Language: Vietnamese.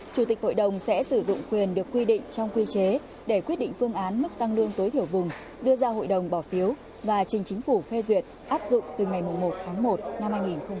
chủ tịch hội đồng sẽ sử dụng quyền được quy định trong quy chế để quyết định phương án mức tăng lương tối thiểu vùng đưa ra hội đồng bỏ phiếu và trình chính phủ phê duyệt áp dụng từ ngày một tháng một năm hai nghìn hai mươi